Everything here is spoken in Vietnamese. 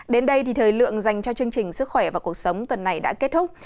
đến đây thì thời lượng dành cho chương trình sức khỏe và cuộc sống tuần này đã kết thúc